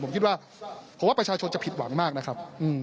ผมคิดว่าผมว่าประชาชนจะผิดหวังมากนะครับ